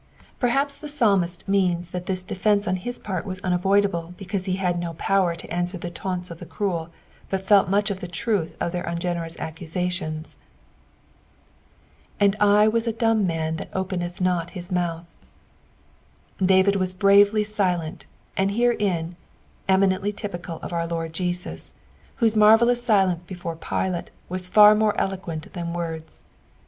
Perhapo Ihe {iralmut means that this dcaftieaa on hia part whs unaroiduble because he had nu power to answer the taunts of the cruel, but felt much of the truth of their ungeDenxu accusations. "And I wai a* a dumA tnan that openeth not hi» movth." Daiid was bravelf silent, and herein was eminently typical of our Lord Jesus, wbute marvellous silence before Pilate was far more eloquent than words.